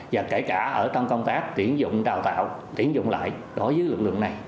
và kể cả ở trong công tác tiến dụng đào tạo tiến dụng lại đối với lực lượng này